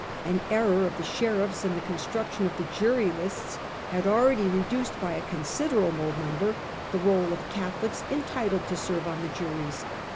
An error of the sheriffs in the construction of the jury lists had already reduced by a consider able number the roll of Catholics entitled to serve on juries.